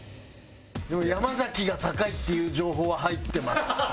でも山崎が高いっていう情報は入ってます。